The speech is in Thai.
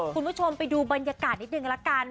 คุณผู้ชมไปดูบรรยากาศนิดนึงละกัน